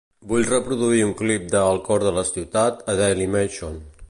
Vull reproduir un clip de "El cor de la ciutat" a Dailymotion.